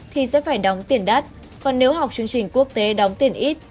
thì sẽ phải đóng tiền đắt còn nếu học chương trình quốc tế đóng tiền ít